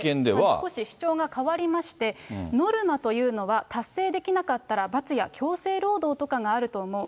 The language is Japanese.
少し主張が変わりまして、ノルマというのは、達成できなかったら罰や強制労働とかがあると思う。